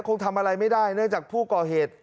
คงทำอะไรไม่ได้เนื่องจากผู้ก่อเหตุ